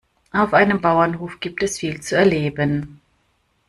Auf einem Bauernhof gibt es viel zu erleben.